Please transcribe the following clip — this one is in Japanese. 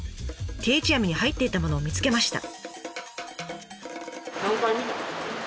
定置網に入っていたものを見つけました。